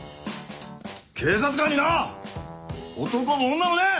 警察官にな男も女もねえ！